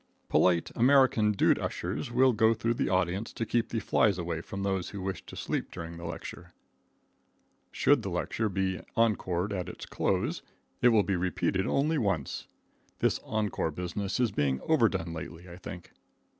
Polite American dude ushers will go through the audience to keep the flies away from those who wish to sleep during the lecture. Should the lecture be encored at its close, it will be repeated only once. This encore business is being overdone lately, I think.